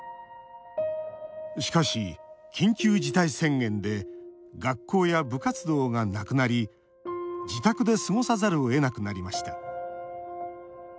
しかし、緊急事態宣言で学校や部活動がなくなり自宅で過ごさざるをえなくなりました。